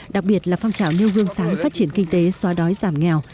đặc biệt là phong trào nêu gương sáng phát triển kinh tế xóa đói giảm nghèo